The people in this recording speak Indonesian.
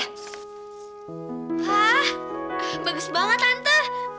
hah bagus banget tante